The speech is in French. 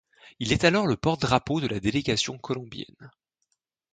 Il est alors le porte drapeau de la délégation colombienne.